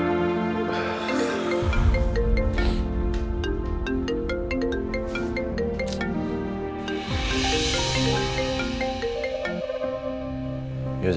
sampai jumpa di video selanjutnya